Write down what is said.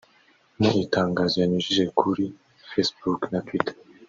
Mu itangazo yanyujije kuri Facebook na Twitter